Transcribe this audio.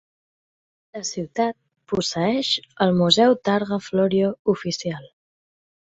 La ciutat posseeix el Museu Targa Florio oficial.